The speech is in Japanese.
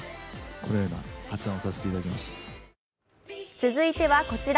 続いてはこちら。